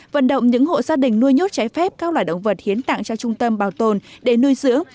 vận động những hộ gia đình nuôi nhốt trái phép các loài động vật hiến tặng cho trung tâm bảo tồn để nuôi dưỡng